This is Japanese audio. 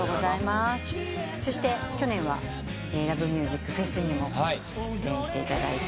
そして去年は「ＬＯＶＥＭＵＳＩＣＦＥＳ」にも出演していただいて。